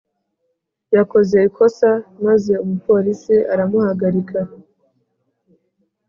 yakoze ikosa maze umuporisi aramuhagarika